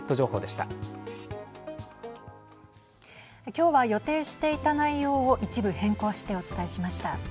今日は予定していた内容を一部変更してお伝えしました。